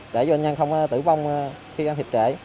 để cho bệnh nhân không tử vong khi can thiệp trễ